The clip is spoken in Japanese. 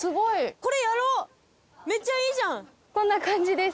こんな感じです。